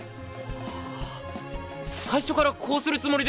あ最初からこうするつもりで。